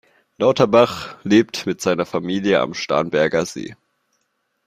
Lauterbach lebt mit seiner Familie am Starnberger See.